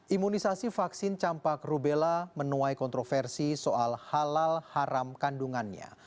imunisasi vaksin campak rubella menuai kontroversi soal halal haram kandungannya